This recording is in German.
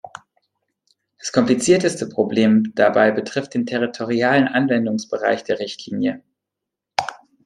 Das komplizierteste Problem dabei betrifft den territorialen Anwendungsbereich der Richtlinie.